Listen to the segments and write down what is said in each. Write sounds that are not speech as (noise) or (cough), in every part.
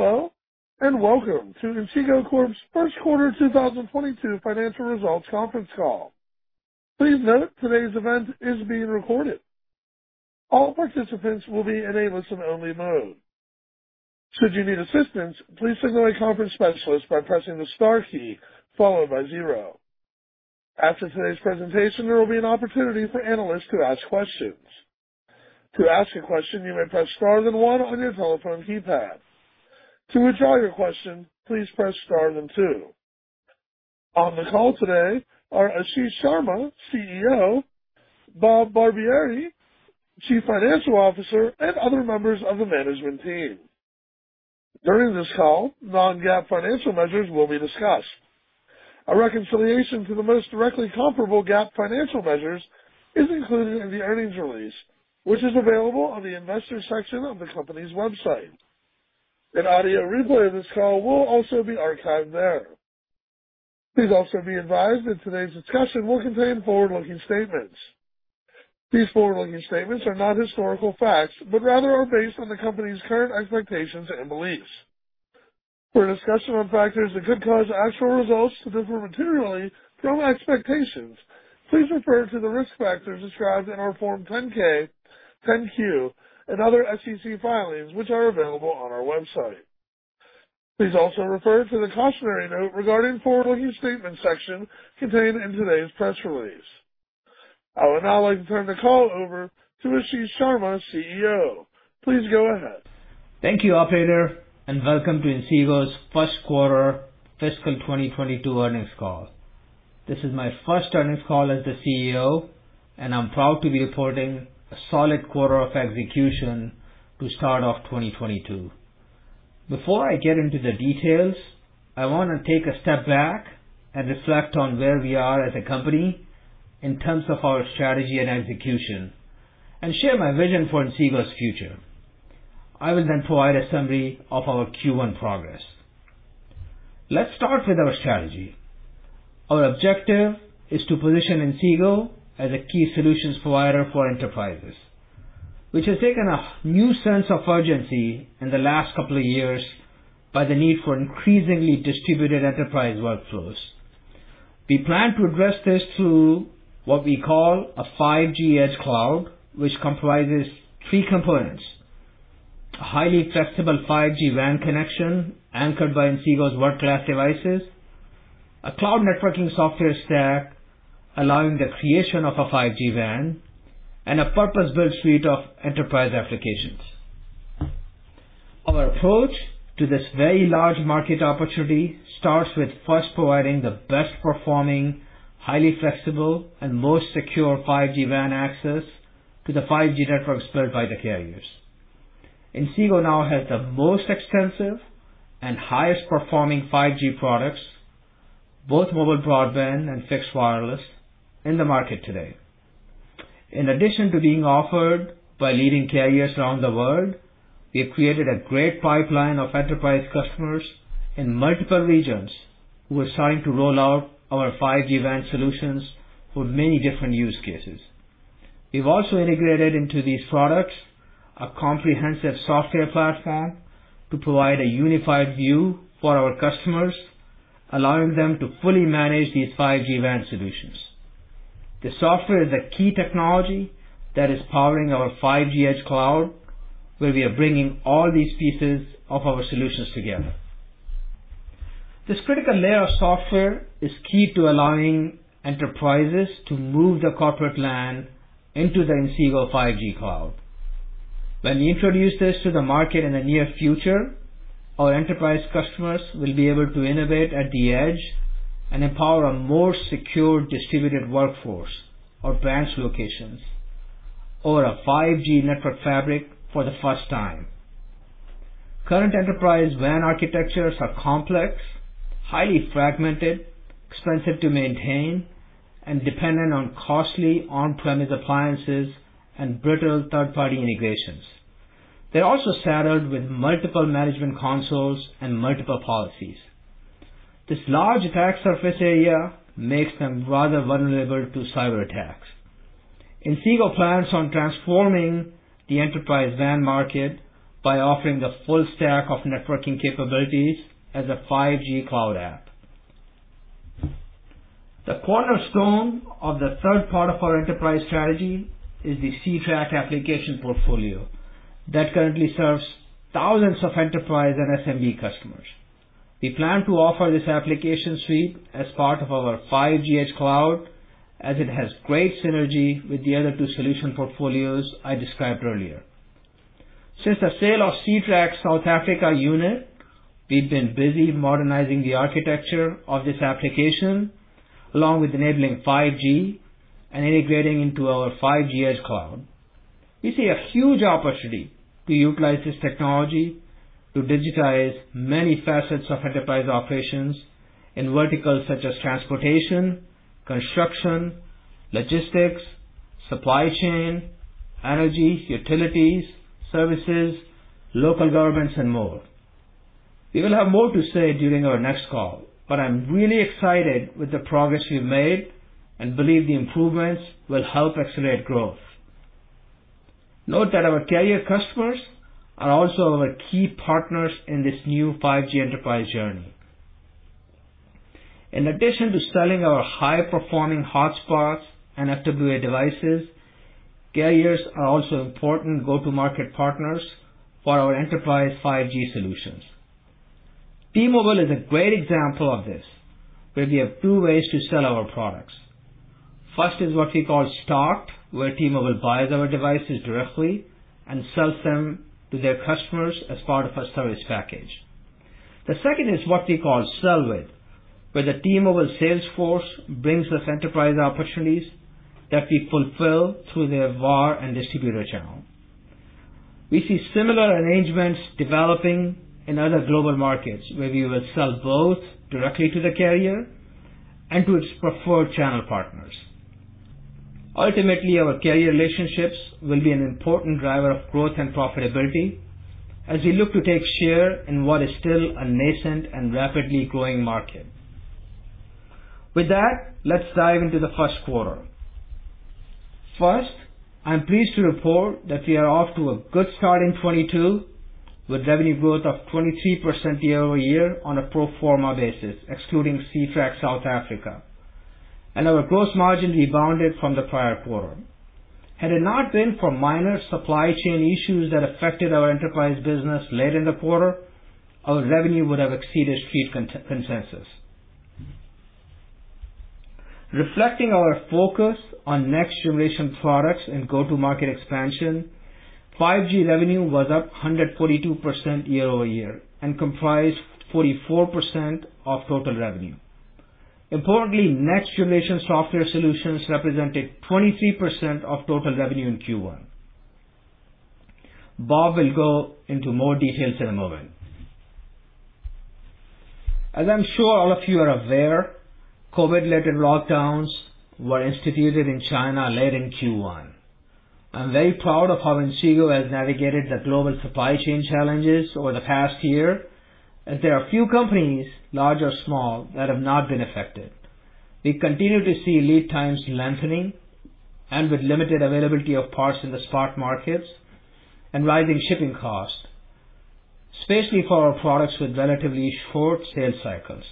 Hello, and welcome to Inseego Corp.'s First Quarter 2022 Financial Results Conference Call. Please note today's event is being recorded. All participants will be in a listen-only mode. Should you need assistance, please signal a conference specialist by pressing the star key followed by zero. After today's presentation, there will be an opportunity for analysts to ask questions. To ask a question, you may press star then one on your telephone keypad. To withdraw your question, please press star then two. On the call today are Ashish Sharma, CEO, Bob Barbieri, Chief Financial Officer, and other members of the management team. During this call, non-GAAP financial measures will be discussed. A reconciliation to the most directly comparable GAAP financial measures is included in the earnings release, which is available on the investors section of the company's website. An audio replay of this call will also be archived there. Please also be advised that today's discussion will contain forward-looking statements. These forward-looking statements are not historical facts, but rather are based on the company's current expectations and beliefs. For a discussion on factors that could cause actual results to differ materially from expectations, please refer to the risk factors described in our Form 10-K, 10-Q, and other SEC filings which are available on our website. Please also refer to the cautionary note regarding forward-looking statement section contained in today's press release. I would now like to turn the call over to Ashish Sharma, CEO. Please go ahead. Thank you, operator, and welcome to Inseego's first quarter fiscal 2022 earnings call. This is my first earnings call as the CEO, and I'm proud to be reporting a solid quarter of execution to start off 2022. Before I get into the details, I wanna take a step back and reflect on where we are as a company in terms of our strategy and execution and share my vision for Inseego's future. I will then provide a summary of our Q1 progress. Let's start with our strategy. Our objective is to position Inseego as a key solutions provider for enterprises, which has taken a new sense of urgency in the last couple of years by the need for increasingly distributed enterprise workflows. We plan to address this through what we call a 5G edge cloud, which comprises three components. A highly flexible 5G WAN connection anchored by Inseego's world-class devices, a cloud networking software stack allowing the creation of a 5G WAN, and a purpose-built suite of enterprise applications. Our approach to this very large market opportunity starts with first providing the best performing, highly flexible and most secure 5G WAN access to the 5G networks built by the carriers. Inseego now has the most extensive and highest performing 5G products, both mobile broadband and fixed wireless, in the market today. In addition to being offered by leading carriers around the world, we have created a great pipeline of enterprise customers in multiple regions who are starting to roll out our 5G WAN solutions for many different use cases. We've also integrated into these products a comprehensive software platform to provide a unified view for our customers, allowing them to fully manage these 5G WAN solutions. The software is a key technology that is powering our 5G edge cloud, where we are bringing all these pieces of our solutions together. This critical layer of software is key to allowing enterprises to move their corporate LAN into the Inseego 5G cloud. When we introduce this to the market in the near future, our enterprise customers will be able to innovate at the edge and empower a more secure distributed workforce or branch locations over a 5G network fabric for the first time. Current enterprise WAN architectures are complex, highly fragmented, expensive to maintain, and dependent on costly on-premise appliances and brittle third-party integrations. They're also saddled with multiple management consoles and multiple policies. This large attack surface area makes them rather vulnerable to cyberattacks. Inseego plans on transforming the enterprise WAN market by offering the full stack of networking capabilities as a 5G cloud app. The cornerstone of the third part of our enterprise strategy is the Ctrack application portfolio that currently serves thousands of enterprise and SMB customers. We plan to offer this application suite as part of our 5G edge cloud, as it has great synergy with the other two solution portfolios I described earlier. Since the sale of Ctrack South Africa unit, we've been busy modernizing the architecture of this application along with enabling 5G and integrating into our 5G edge cloud. We see a huge opportunity to utilize this technology to digitize many facets of enterprise operations in verticals such as transportation, construction, logistics, supply chain, energy, utilities, services, local governments and more. We will have more to say during our next call, but I'm really excited with the progress we've made and believe the improvements will help accelerate growth. Note that our carrier customers are also our key partners in this new 5G enterprise journey. In addition to selling our high-performing hotspots and FWA devices, carriers are also important go-to-market partners for our enterprise 5G solutions. T-Mobile is a great example of this, where we have two ways to sell our products. First is what we call start, where T-Mobile buys our devices directly and sells them to their customers as part of a service package. The second is what we call sell with, where the T-Mobile sales force brings us enterprise opportunities that we fulfill through their VAR and distributor channel. We see similar arrangements developing in other global markets, where we will sell both directly to the carrier and to its preferred channel partners. Ultimately, our carrier relationships will be an important driver of growth and profitability as we look to take share in what is still a nascent and rapidly growing market. With that, let's dive into the first quarter. First, I'm pleased to report that we are off to a good start in 2022, with revenue growth of 23% year-over-year on a pro forma basis, excluding Ctrack South Africa, and our gross margin rebounded from the prior quarter. Had it not been for minor supply chain issues that affected our enterprise business late in the quarter, our revenue would have exceeded street consensus. Reflecting our focus on next-generation products and go-to-market expansion, 5G revenue was up 142% year-over-year and comprised 44% of total revenue. Importantly, next-generation software solutions represented 23% of total revenue in Q1. Bob will go into more details in a moment. As I'm sure all of you are aware, COVID-related lockdowns were instituted in China late in Q1. I'm very proud of how Inseego has navigated the global supply chain challenges over the past year, as there are few companies, large or small, that have not been affected. We continue to see lead times lengthening, with limited availability of parts in the spot markets and rising shipping costs, especially for our products with relatively short sales cycles.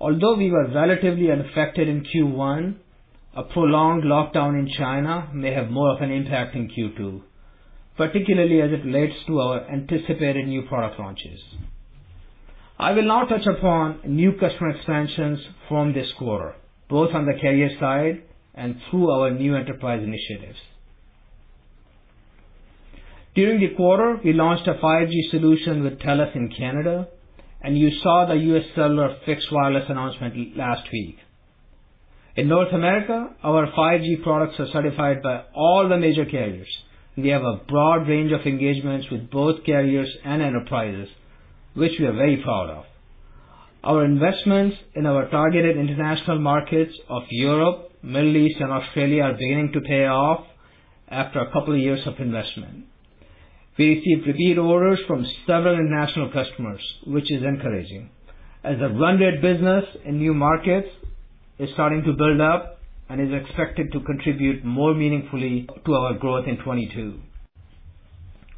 Although we were relatively unaffected in Q1, a prolonged lockdown in China may have more of an impact in Q2, particularly as it relates to our anticipated new product launches. I will now touch upon new customer expansions from this quarter, both on the carrier side and through our new enterprise initiatives. During the quarter, we launched a 5G solution with Telus in Canada, and you saw the UScellular fixed wireless announcement last week. In North America, our 5G products are certified by all the major carriers, and we have a broad range of engagements with both carriers and enterprises, which we are very proud of. Our investments in our targeted international markets of Europe, Middle East, and Australia are beginning to pay off after a couple of years of investment. We received repeat orders from several international customers, which is encouraging, as the blended business in new markets is starting to build up and is expected to contribute more meaningfully to our growth in 2022.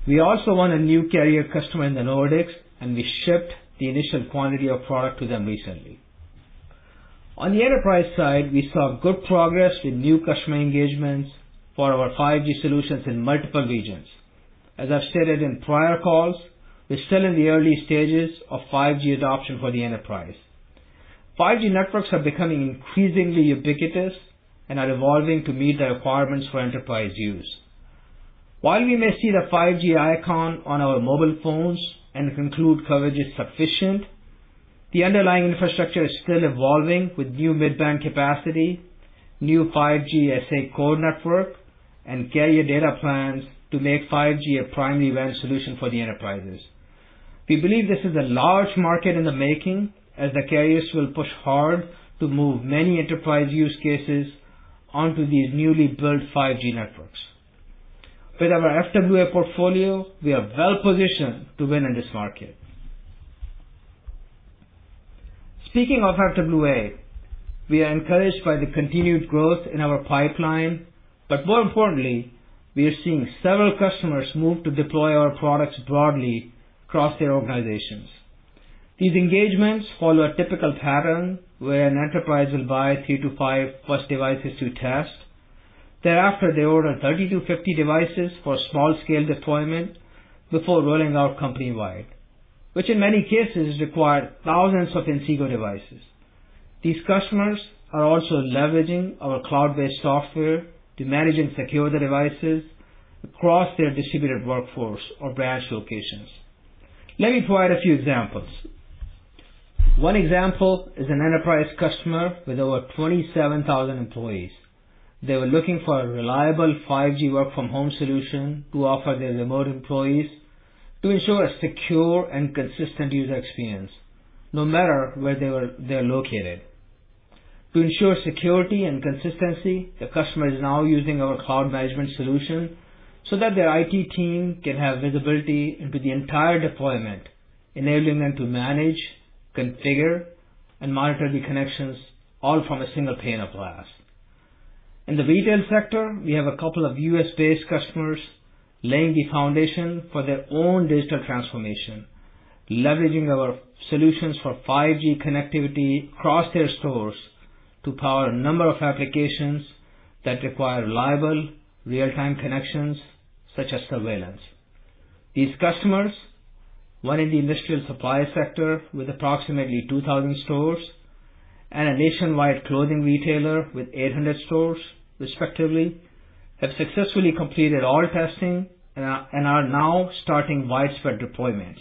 We also won a new carrier customer in the Nordics, and we shipped the initial quantity of product to them recently. On the enterprise side, we saw good progress with new customer engagements for our 5G solutions in multiple regions. As I've stated in prior calls, we're still in the early stages of 5G adoption for the enterprise. 5G networks are becoming increasingly ubiquitous and are evolving to meet the requirements for enterprise use. While we may see the 5G icon on our mobile phones and conclude coverage is sufficient, the underlying infrastructure is still evolving with new mid-band capacity, new 5G SA core network, and carrier data plans to make 5G a primary WAN solution for the enterprises. We believe this is a large market in the making, as the carriers will push hard to move many enterprise use cases onto these newly built 5G networks. With our FWA portfolio, we are well-positioned to win in this market. Speaking of FWA, we are encouraged by the continued growth in our pipeline, but more importantly, we are seeing several customers move to deploy our products broadly across their organizations. These engagements follow a typical pattern where an enterprise will buy three to 5+ devices to test. Thereafter, they order 30-50 devices for small-scale deployment before rolling out company-wide, which in many cases require thousands of Inseego devices. These customers are also leveraging our cloud-based software to manage and secure the devices across their distributed workforce or branch locations. Let me provide a few examples. One example is an enterprise customer with over 27,000 employees. They were looking for a reliable 5G work-from-home solution to offer their remote employees to ensure a secure and consistent user experience no matter where they are located. To ensure security and consistency, the customer is now using our cloud management solution so that their IT team can have visibility into the entire deployment, enabling them to manage, configure, and monitor the connections all from a single pane of glass. In the retail sector, we have a couple of U.S.-based customers laying the foundation for their own digital transformation, leveraging our solutions for 5G connectivity across their stores to power a number of applications that require reliable real-time connections such as surveillance. These customers, one in the industrial supply sector with approximately 2,000 stores and a nationwide clothing retailer with 800 stores, respectively, have successfully completed all testing and are now starting widespread deployments.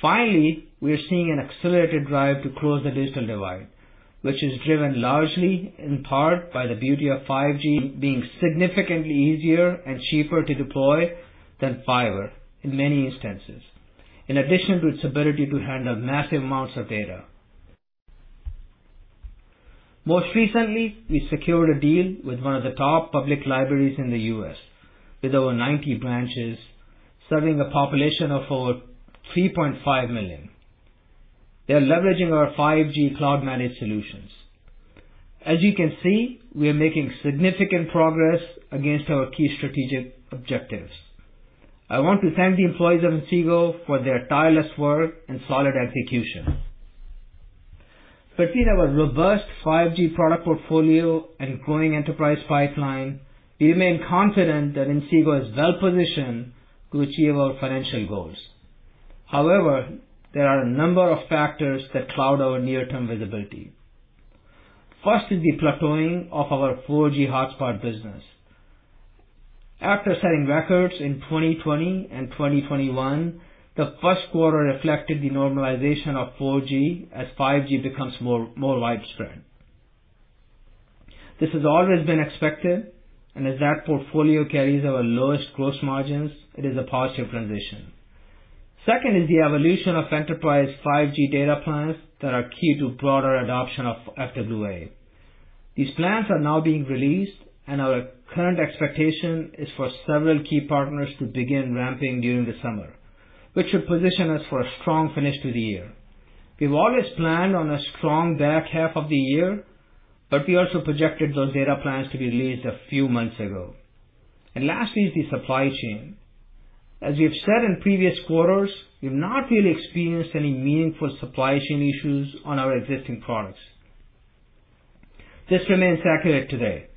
Finally, we are seeing an accelerated drive to close the digital divide, which is driven largely in part by the beauty of 5G being significantly easier and cheaper to deploy than fiber in many instances, in addition to its ability to handle massive amounts of data. Most recently, we secured a deal with one of the top public libraries in the U.S. with over 90 branches, serving a population of over 3.5 million. They are leveraging our 5G cloud-managed solutions. As you can see, we are making significant progress against our key strategic objectives. I want to thank the employees of Inseego for their tireless work and solid execution. Between our robust 5G product portfolio and growing enterprise pipeline, we remain confident that Inseego is well-positioned to achieve our financial goals. However, there are a number of factors that cloud our near-term visibility. First is the plateauing of our 4G hotspot business. After setting records in 2020 and 2021, the first quarter reflected the normalization of 4G as 5G becomes more widespread. This has always been expected, and as that portfolio carries our lowest gross margins, it is a positive transition. Second is the evolution of enterprise 5G data plans that are key to broader adoption of FWA. These plans are now being released, and our current expectation is for several key partners to begin ramping during the summer, which should position us for a strong finish to the year. We've always planned on a strong back half of the year, but we also projected those data plans to be released a few months ago. Lastly is the supply chain. As we have said in previous quarters, we've not really experienced any meaningful supply chain issues on our existing products. This remains accurate today.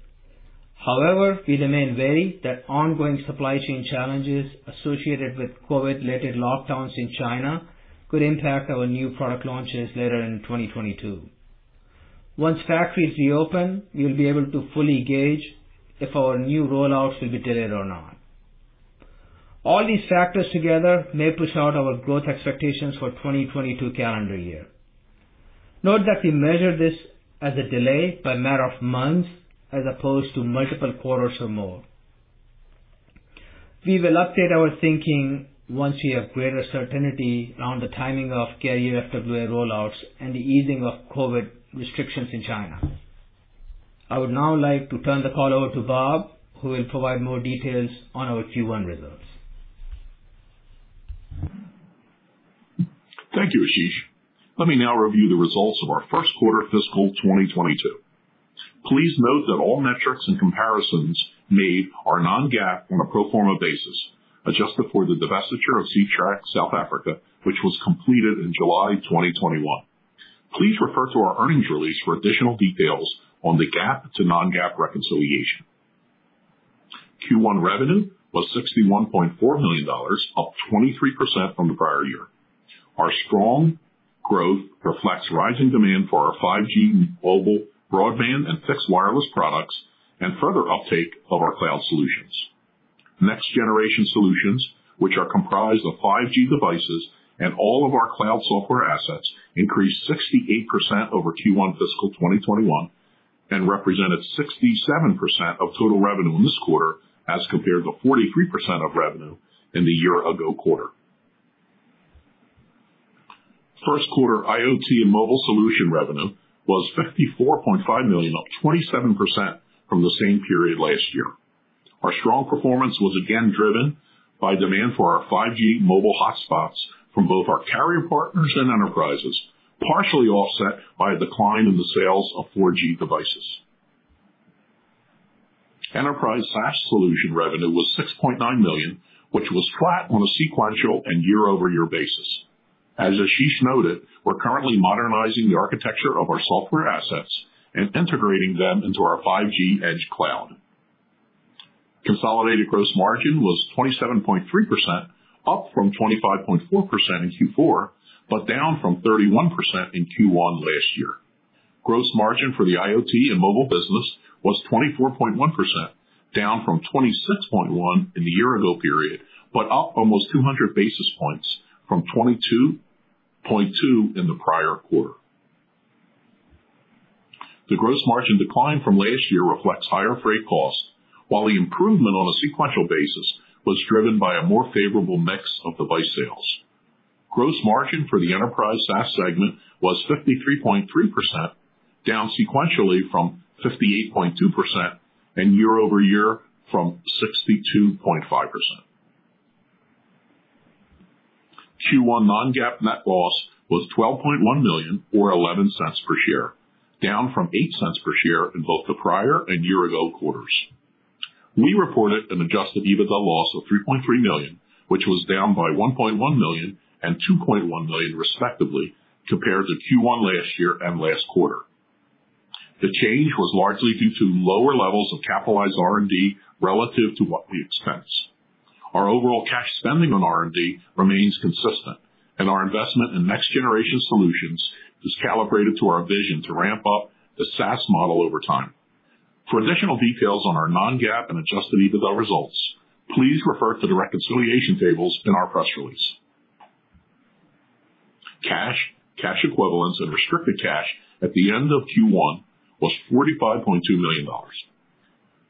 However, we remain wary that ongoing supply chain challenges associated with COVID-related lockdowns in China could impact our new product launches later in 2022. Once factories reopen, we will be able to fully gauge if our new rollouts will be delayed or not. All these factors together may push out our growth expectations for 2022 calendar year. Note that we measure this as a delay by matter of months as opposed to multiple quarters or more. We will update our thinking once we have greater certainty around the timing of carrier FWA rollouts and the easing of COVID restrictions in China. I would now like to turn the call over to Bob, who will provide more details on our Q1 results. Thank you, Ashish. Let me now review the results of our first quarter fiscal 2022. Please note that all metrics and comparisons made are non-GAAP on a pro forma basis, adjusted for the divestiture of Ctrack South Africa, which was completed in July 2021. Please refer to our earnings release for additional details on the GAAP to non-GAAP reconciliation. Q1 revenue was $61.4 million, up 23% from the prior year. Our strong growth reflects rising demand for our 5G mobile broadband and fixed wireless products and further uptake of our cloud solutions. Next-generation solutions, which are comprised of 5G devices and all of our cloud software assets, increased 68% over Q1 fiscal 2021 and represented 67% of total revenue in this quarter as compared to 43% of revenue in the year ago quarter. First quarter IoT and mobile solution revenue was $54.5 million, up 27% from the same period last year. Our strong performance was again driven by demand for our 5G mobile hotspots from both our carrier partners and enterprises, partially offset by a decline in the sales of 4G devices. Enterprise SaaS solution revenue was $6.9 million, which was flat on a sequential and year-over-year basis. As Ashish noted, we're currently modernizing the architecture of our software assets and integrating them into our 5G edge cloud. Consolidated gross margin was 27.3%, up from 25.4% in Q4, but down from 31% in Q1 last year. Gross margin for the IoT and mobile business was 24.1%, down from 26.1% in the year ago period, but up almost 200 basis points from 22.2% in the prior quarter. The gross margin decline from last year reflects higher freight costs, while the improvement on a sequential basis was driven by a more favorable mix of device sales. Gross margin for the enterprise SaaS segment was 53.3%, down sequentially from 58.2% and year-over-year from 62.5%. Q1 non-GAAP net loss was $12.1 million or $0.11 per share, down from $0.08 per share in both the prior and year ago quarters. We reported an adjusted EBITDA loss of $3.3 million, which was down by $1.1 million and $2.1 million respectively compared to Q1 last year and last quarter. The change was largely due to lower levels of capitalized R&D relative to what we expense. Our overall cash spending on R&D remains consistent and our investment in next generation solutions is calibrated to our vision to ramp up the SaaS model over time. For additional details on our non-GAAP and adjusted EBITDA results, please refer to the reconciliation tables in our press release. Cash, cash equivalents and restricted cash at the end of Q1 was $45.2 million.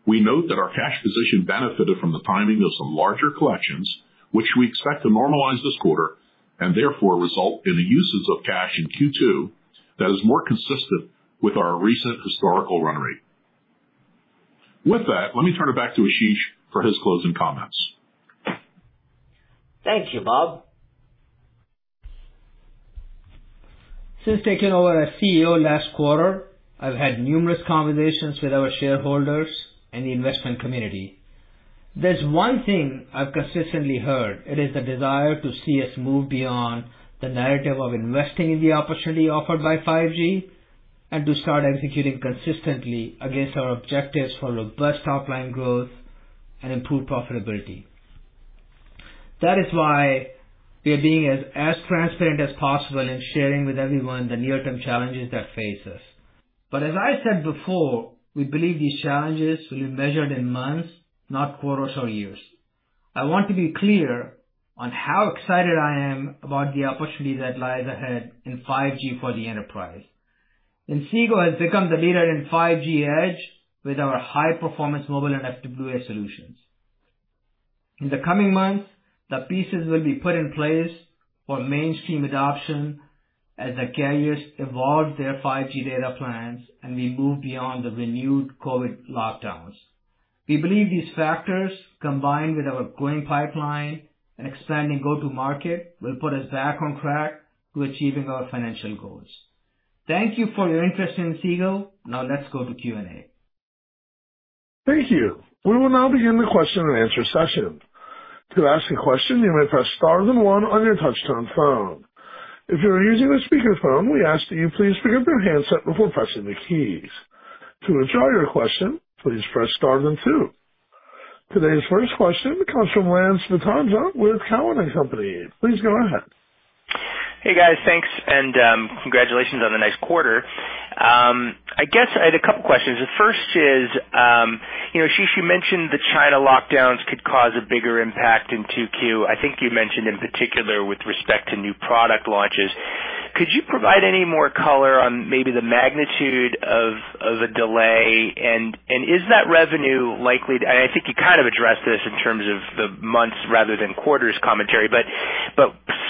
We note that our cash position benefited from the timing of some larger collections, which we expect to normalize this quarter and therefore result in the uses of cash in Q2 that is more consistent with our recent historical run rate. With that, let me turn it back to Ashish for his closing comments. Thank you, Bob. Since taking over as CEO last quarter, I've had numerous conversations with our shareholders and the investment community. There's one thing I've consistently heard. It is the desire to see us move beyond the narrative of investing in the opportunity offered by 5G and to start executing consistently against our objectives for robust top line growth and improved profitability. That is why we are being as transparent as possible in sharing with everyone the near-term challenges that face us. As I said before, we believe these challenges will be measured in months, not quarters or years. I want to be clear on how excited I am about the opportunity that lies ahead in 5G for the enterprise. Inseego has become the leader in 5G edge with our high-performance mobile and FWA solutions. In the coming months, the pieces will be put in place for mainstream adoption as the carriers evolve their 5G data plans and we move beyond the renewed COVID lockdowns. We believe these factors, combined with our growing pipeline and expanding go-to-market, will put us back on track to achieving our financial goals. Thank you for your interest in Inseego. Now let's go to Q&A. Thank you. We will now begin the question and answer session. To ask a question, you may press star then one on your touchtone phone. If you are using a speakerphone, we ask that you please pick up your handset before pressing the keys. To withdraw your question, please press star then two. Today's first question comes from Lance Vitanza with Cowen and Company. Please go ahead. Hey, guys. Thanks and, congratulations on a nice quarter. I guess I had a couple questions. The first is, you know, Ashish, you mentioned the China lockdowns could cause a bigger impact in 2Q. I think you mentioned in particular with respect to new product launches. Could you provide any more color on maybe the magnitude of a delay? And is that revenue likely to, and I think you kind of addressed this in terms of the months rather than quarters commentary, but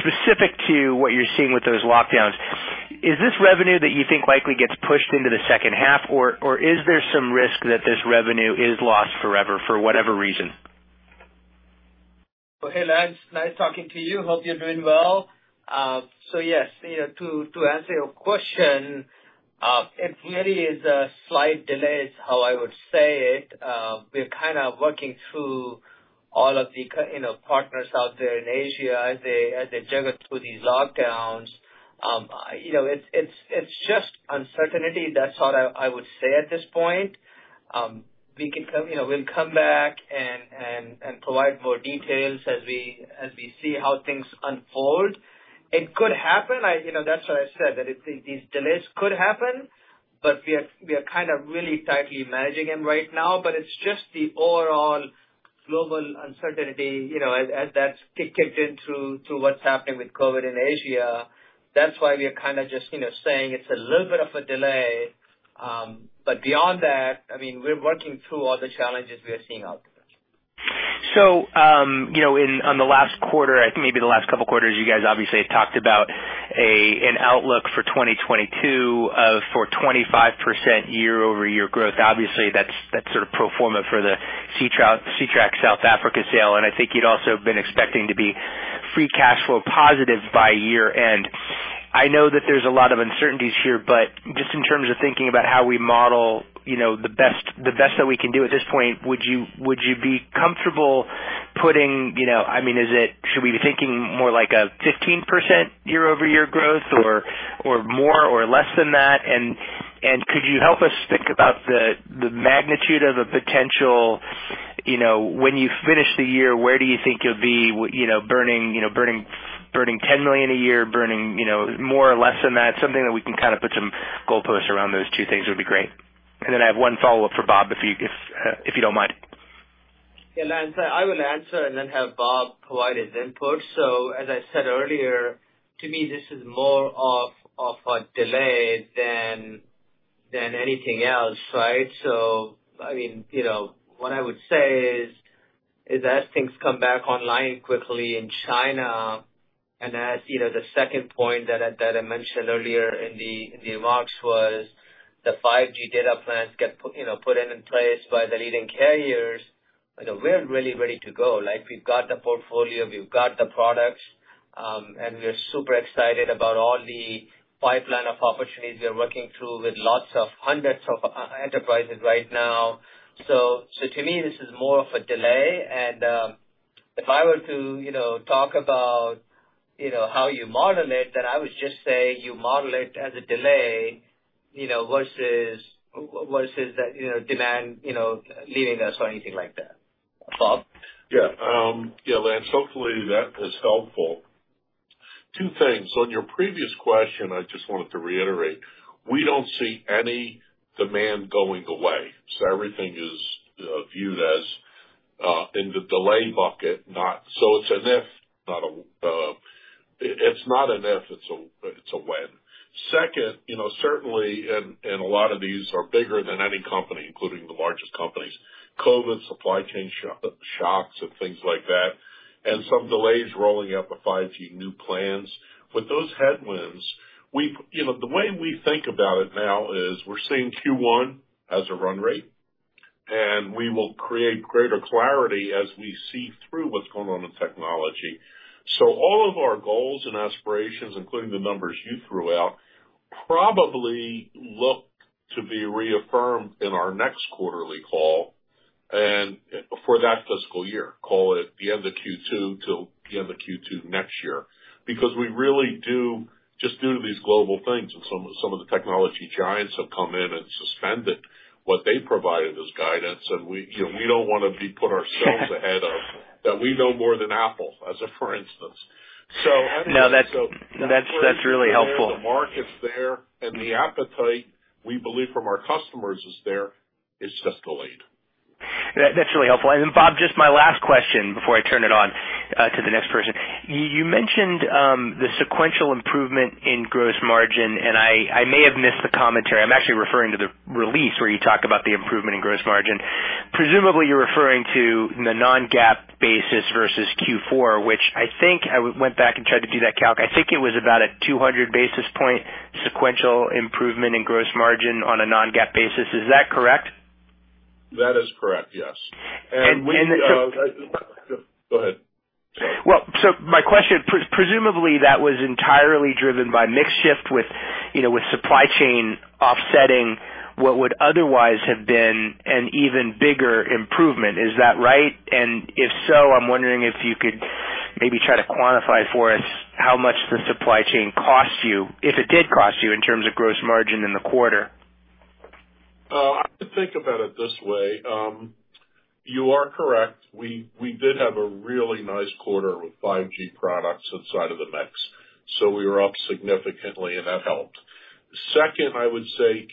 specific to what you're seeing with those lockdowns, is this revenue that you think likely gets pushed into the second half, or is there some risk that this revenue is lost forever for whatever reason? Well, hey, Lance. Nice talking to you. Hope you're doing well. Yes, you know, to answer your question, it really is a slight delay is how I would say it. We're kinda working through all of the partners out there in Asia as they juggle through these lockdowns. You know, it's just uncertainty. That's all I would say at this point. You know, we'll come back and provide more details as we see how things unfold. It could happen. You know, that's why I said that these delays could happen, but we are kind of really tightly managing them right now. It's just the overall global uncertainty, you know, as that's kicked in through what's happening with COVID in Asia. That's why we are kinda just, you know, saying it's a little bit of a delay. Beyond that, I mean, we're working through all the challenges we are seeing out there. You know, in, on the last quarter, I think maybe the last couple quarters, you guys obviously have talked about a, an outlook for 2022, for 25% year-over-year growth. Obviously, that's sort of pro forma for the Ctrack South Africa sale, and I think you'd also been expecting to be free cash flow positive by year end. I know that there's a lot of uncertainties here, but just in terms of thinking about how we model, you know, the best that we can do at this point, would you be comfortable putting, you know, I mean, is it, should we be thinking more like a 15% year-over-year growth or more or less than that? Could you help us think about the magnitude of a potential, you know, when you finish the year, where do you think you'll be, you know, burning $10 million a year, you know, more or less than that? Something that we can kinda put some goalposts around those two things would be great. I have one follow-up for Bob, if you don't mind. Yeah, Lance, I will answer and then have Bob provide his input. As I said earlier, to me, this is more of a delay than anything else, right? I mean, you know, what I would say is as things come back online quickly in China. As you know, the second point that I mentioned earlier in the remarks was the 5G data plans get put in place by the leading carriers. You know, we're really ready to go. Like, we've got the portfolio, we've got the products, and we're super excited about all the pipeline of opportunities we are working through with lots of hundreds of enterprises right now. To me, this is more of a delay and, if I were to, you know, talk about, you know, how you model it, then I would just say you model it as a delay, you know, versus that, you know, demand, you know, leaving us or anything like that. Bob? Yeah. Yeah, Lance, hopefully that is helpful. Two things. On your previous question, I just wanted to reiterate, we don't see any demand going away, so everything is viewed as in the delay bucket, not an if, it's a when. Second, you know, certainly, and a lot of these are bigger than any company, including the largest companies, COVID, supply chain shocks, and things like that, and some delays rolling out the 5G new plans. With those headwinds, you know, the way we think about it now is we're seeing Q1 as a run rate, and we will create greater clarity as we see through what's going on in technology. All of our goals and aspirations, including the numbers you threw out, probably look to be reaffirmed in our next quarterly call and for that fiscal year, call it the end of Q2 till the end of Q2 next year. Because we really do just due to these global things and some of the technology giants have come in and suspended what they provided as guidance. We, you know, we don't wanna be put ourselves ahead of, that we know more than Apple as a for instance. I'm... (crosstalk) No, that's really helpful. The market's there, and the appetite we believe from our customers is there. It's just delayed. That's really helpful. Bob, just my last question before I turn it over to the next person. You mentioned the sequential improvement in gross margin, and I may have missed the commentary. I'm actually referring to the release where you talk about the improvement in gross margin. Presumably, you're referring to the non-GAAP basis versus Q4, which I think I went back and tried to do that calc. I think it was about a 200 basis points sequential improvement in gross margin on a non-GAAP basis. Is that correct? That is correct, yes. And, and- (crosstalk) Well, my question, presumably, that was entirely driven by mix shift with, you know, with supply chain offsetting what would otherwise have been an even bigger improvement. Is that right? If so, I'm wondering if you could maybe try to quantify for us how much the supply chain cost you, if it did cost you in terms of gross margin in the quarter. I think about it this way. You are correct. We did have a really nice quarter with 5G products inside of the mix, so we were up significantly and that helped. Second, I would say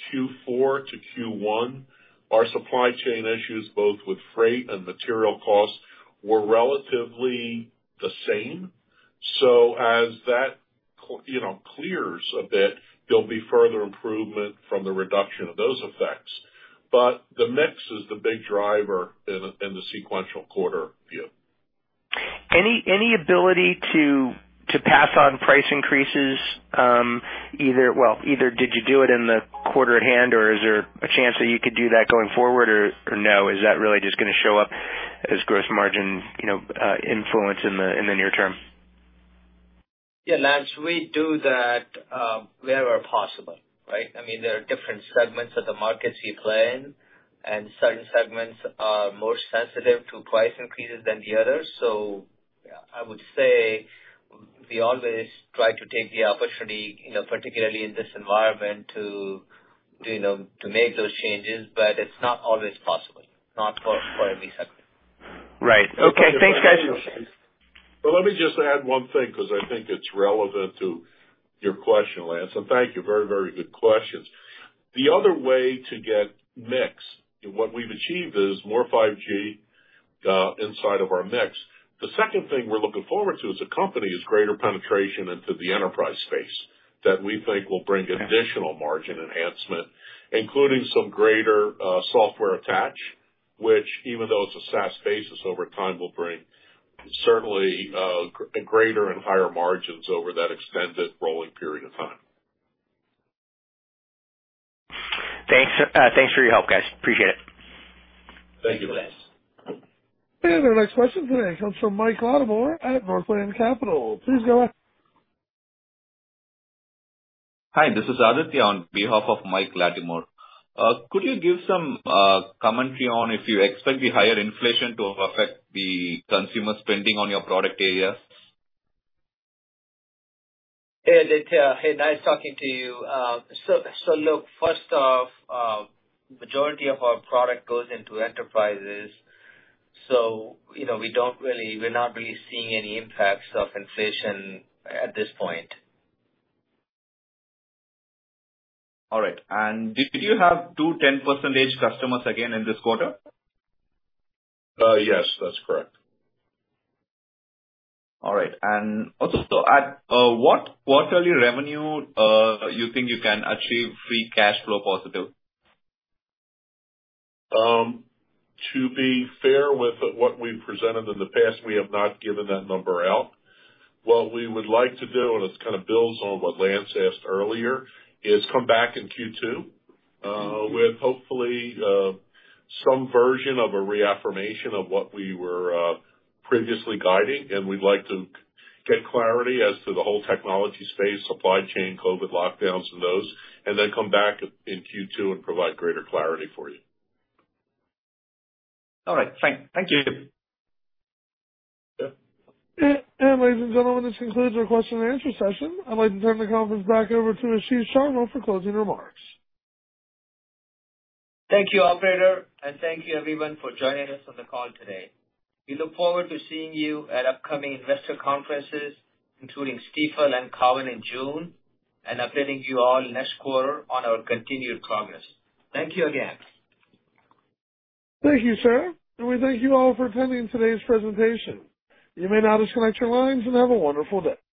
Q4 to Q1, our supply chain issues, both with freight and material costs, were relatively the same. As that, you know, clears a bit, there'll be further improvement from the reduction of those effects. The mix is the big driver in the sequential quarter view. Any ability to pass on price increases? Well, either did you do it in the quarter at hand or is there a chance that you could do that going forward or no? Is that really just gonna show up as gross margin, you know, inflation in the near term? Yeah, Lance, we do that wherever possible, right? I mean, there are different segments of the markets we play in, and certain segments are more sensitive to price increases than the others. I would say we always try to take the opportunity, you know, particularly in this environment to, you know, to make those changes, but it's not always possible, not for every segment. Right. Okay, thanks, guys. Well, let me just add one thing because I think it's relevant to your question, Lance. Thank you, very, very good questions. The other way to get mix, and what we've achieved is more 5G inside of our mix. The second thing we're looking forward to as a company is greater penetration into the enterprise space that we think will bring additional margin enhancement, including some greater software attach, which even though it's a SaaS basis over time, will bring certainly greater and higher margins over that extended rolling period of time. Thanks. Thanks for your help, guys. Appreciate it. Thank you, Lance. Our next question today comes from Mike Latimore at Northland Capital. Please go ahead. Hi, this is Aditya on behalf of Mike Latimore. Could you give some commentary on if you expect the higher inflation to affect the consumer spending on your product areas? Hey, Aditya. Hey, nice talking to you. Look, first off, majority of our product goes into enterprises. You know, we're not really seeing any impacts of inflation at this point. All right. Did you have 20% customers again in this quarter? Yes, that's correct. All right. At what quarterly revenue you think you can achieve free cash flow positive? To be fair with what we've presented in the past, we have not given that number out. What we would like to do, and this kinda builds on what Lance asked earlier, is come back in Q2 with hopefully some version of a reaffirmation of what we were previously guiding. We'd like to get clarity as to the whole technology space, supply chain, COVID lockdowns, and those, and then come back in Q2 and provide greater clarity for you. All right. Thank you. Yeah. Ladies and gentlemen, this concludes our question and answer session. I'd like to turn the conference back over to Ashish Sharma for closing remarks. Thank you, operator, and thank you everyone for joining us on the call today. We look forward to seeing you at upcoming investor conferences, including Stifel and Cowen in June, and updating you all next quarter on our continued progress. Thank you again. Thank you, sir. We thank you all for attending today's presentation. You may now disconnect your lines and have a wonderful day.